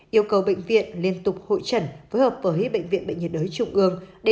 yêu cầu bệnh viện liên tục hội trần phối hợp với bệnh viện bệnh nhiệt đới trung ương